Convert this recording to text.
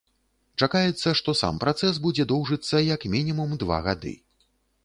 Чакаецца, што сам працэс будзе доўжыцца як мінімум два гады.